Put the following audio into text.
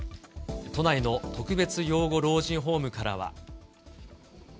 都内の特別養護老人ホームからは。